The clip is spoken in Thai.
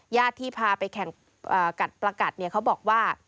ญาติที่พาไปแข่งกัดประกัดเขาบอกว่า